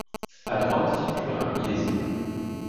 À droite figure un millésime.